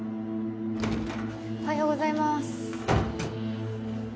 ・おはようございます。